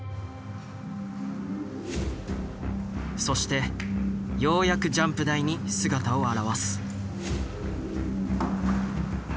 そしてようやくジャンプ台に姿を現す。